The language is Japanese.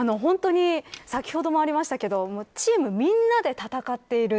先ほどもありましたけどチームみんなで戦っている。